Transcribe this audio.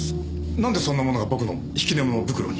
なんでそんなものが僕の引き出物袋に？